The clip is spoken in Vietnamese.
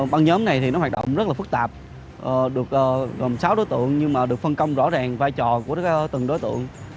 băng nhóm này thì nó hoạt động rất là phức tạp được gồm sáu đối tượng nhưng mà được phân công rõ ràng vai trò của từng đối tượng